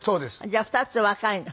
じゃあ２つ若いの？